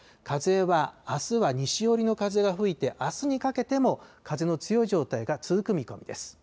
風はあすは西寄りの風が吹いて、あすにかけても風の強い状態が続く見込みです。